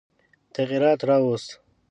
تغییر را ووست.